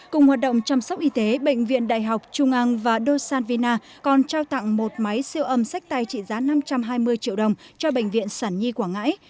cùng hoạt động chăm sóc y tế bệnh viện đại học trung an và đô san vina còn trao tặng một máy siêu âm sách tay trị giá năm trăm hai mươi triệu đồng cho bệnh viện sản nhi quảng ngãi